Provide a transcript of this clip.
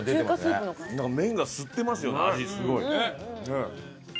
麺が吸ってますよね味すごい。